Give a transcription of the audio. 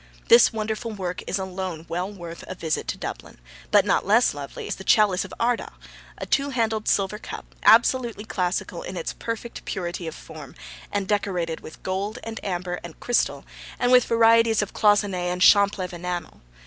This wonderful work is alone well worth a visit to Dublin, but not less lovely is the chalice of Ardagh, a two handled silver cup, absolutely classical in its perfect purity of form, and decorated with gold and amber and crystal and with varieties of cloisonne and champleve enamel.